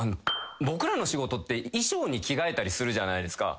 僕らの仕事って衣装に着替えたりするじゃないですか。